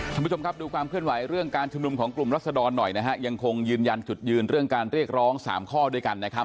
คุณผู้ชมครับดูความเคลื่อนไหวเรื่องการชุมนุมของกลุ่มรัศดรหน่อยนะฮะยังคงยืนยันจุดยืนเรื่องการเรียกร้องสามข้อด้วยกันนะครับ